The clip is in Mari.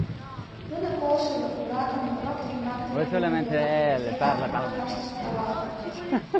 Нуно колышо-влакым рок йымак тоен огытыл, кызытат колоткаштышт аралат.